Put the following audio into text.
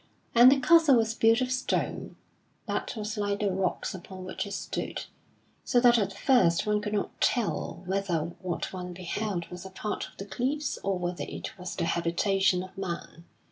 And the castle was built of stone, that was like the rocks upon which it stood, so that at first one could not tell whether what one beheld was a part of the cliffs or whether it was the habitation of man.